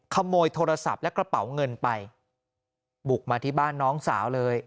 ขโมยโทรศัพท์และกระเป๋าเงินไปบุกมาที่บ้านน้องสาวเลย